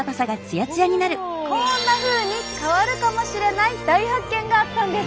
こんなふうに変わるかもしれない大発見があったんです。